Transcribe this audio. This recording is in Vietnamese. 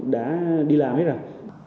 đã đi làm hết rồi